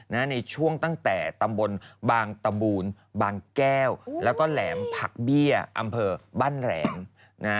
ในช่วงตั้งแต่ตำบลบางตะบูนบางแก้วแล้วก็แหลมผักเบี้ยอำเภอบ้านแหลมนะ